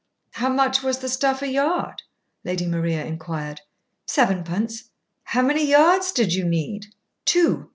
"How much was the stuff a yard?" Lady Maria inquired. "Sevenpence." "How many yards did you need?" "Two.